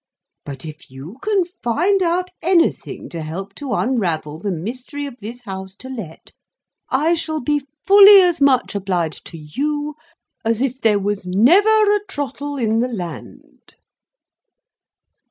But, if you can find out anything to help to unravel the mystery of this House to Let, I shall be fully as much obliged to you as if there was never a Trottle in the land."